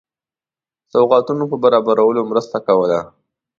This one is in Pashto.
سوغاتونو په برابرولو مرسته کوله.